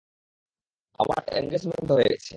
আমার এঙ্গেসমেন্ট হয়ে গেছে।